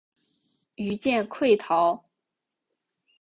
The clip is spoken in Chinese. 余舰溃逃。